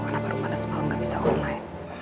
kenapa rumana semalam gak bisa online